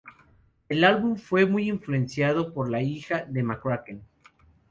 El álbum fue muy influenciado por la hija de McCracken.